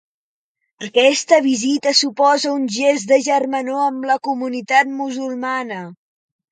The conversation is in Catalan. Aquesta visita suposa un gest de germanor amb la comunitat musulmana.